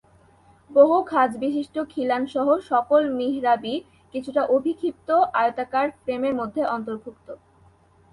বহু খাঁজবিশিষ্ট খিলানসহ সকল মিহরাবই কিছুটা অভিক্ষিপ্ত আয়তাকার ফ্রেমের মধ্যে অন্তর্ভুক্ত।